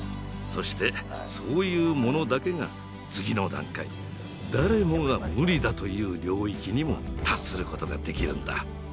そしてそういう者だけが次の段階誰もが無理だと言う領域にも達することができるんだ。